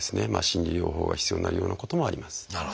心理療法が必要になるようなこともあります。